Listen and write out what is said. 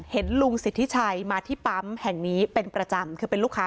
เห็นลุงสิทธิชัยมาที่ปั๊มแห่งนี้เป็นประจำคือเป็นลูกค้า